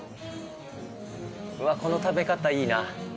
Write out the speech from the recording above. うわ、この食べ方いいな。